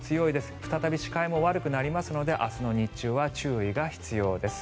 再び視界も悪くなりますので明日の日中は注意が必要です。